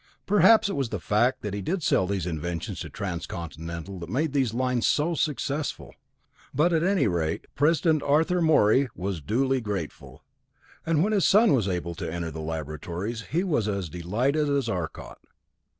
Perhaps it was the fact that he did sell these inventions to Transcontinental that made these lines so successful; but at any rate, President Arthur Morey was duly grateful, and when his son was able to enter the laboratories he was as delighted as Arcot.